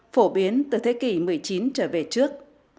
phổ biến từ thế kỷ một mươi chín trở về trước